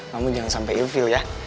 kamu jangan sampe ilfil ya